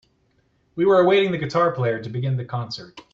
We were awaiting the guitar player to begin the concert.